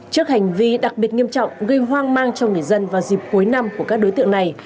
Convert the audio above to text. trước hành vi đặc biệt nghiêm trọng gây hoang mang cho người dân vào dịp cuối năm của các đối tượng này